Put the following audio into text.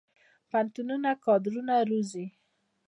پوهنتونونه کادرونه روزي